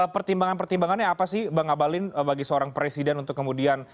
pertimbangan pertimbangannya apa sih bang abalin bagi seorang presiden untuk kemudian